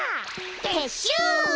てっしゅう！